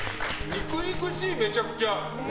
肉々しい、めちゃくちゃ。